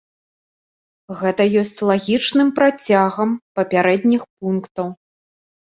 Гэта ёсць лагічным працягам папярэдніх пунктаў.